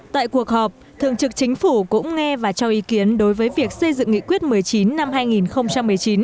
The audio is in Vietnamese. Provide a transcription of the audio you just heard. tại cuộc họp thường trực chính phủ cũng nghe và cho ý kiến đối với việc xây dựng nghị quyết một mươi chín năm hai nghìn một mươi chín